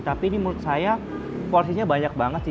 tapi ini menurut saya porsinya banyak banget sih